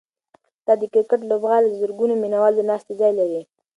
دا د کرکټ لوبغالی د زرګونو مینه والو د ناستې ځای لري.